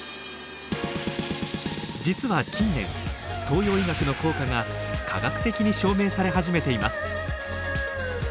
実は近年東洋医学の効果が科学的に証明され始めています。